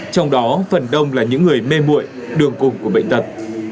trong đó phần đông là những người mê mụi đường cùng của bệnh tật